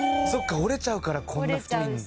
折れちゃうからこんな太いんだ。